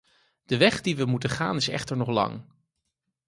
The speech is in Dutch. De weg die we moeten gaan is echter nog lang.